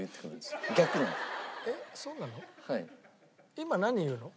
今何言うの？